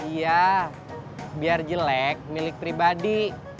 iya biar jelek milik pribadi